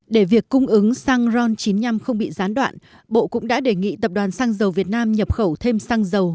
để việc cung ứng xăng ron chín mươi năm không bị gián đoạn bộ cũng đã đề nghị tập đoàn xăng dầu việt nam nhập khẩu thêm xăng dầu